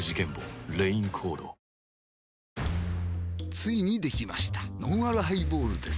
ついにできましたのんあるハイボールです